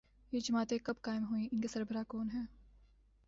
یہ جماعتیں کب قائم ہوئیں، ان کے سربراہ کون ہیں۔